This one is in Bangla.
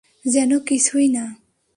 যেন কিছুই না।